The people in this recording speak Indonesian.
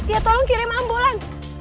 ya tolong kirim ambulan